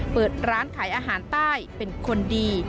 เปิดร้านขายอาหารใต้เป็นคนดี